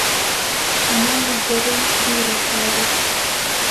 شەماڵی دەرەی دوورە شاری